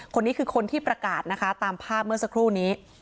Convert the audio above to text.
คนนี้คือคนที่ประกาศนะคะตามภาพเมื่อสักครู่นี้